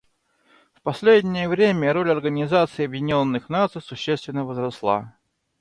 В последнее время роль Организации Объединенных Наций существенно возросла.